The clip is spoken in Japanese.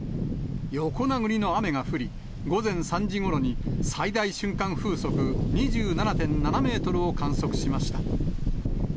横殴りの雨が降り、午前３時ごろに最大瞬間風速２７．７メートルを観測しました。